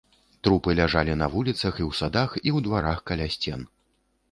Трупы ляжалі на вуліцах і ў садах, у дварах каля сцен.